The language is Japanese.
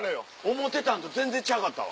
思うてたんと全然ちゃうかったわ。